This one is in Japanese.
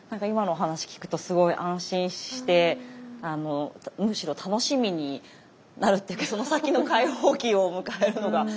今のお話聞くとすごい安心してむしろ楽しみになるっていうかその先の解放期を迎えるのが。